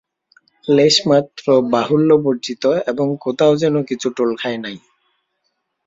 লেশমাত্র বাহুল্যবর্জিত এবং কোথাও যেন কিছু টোল খায় নাই।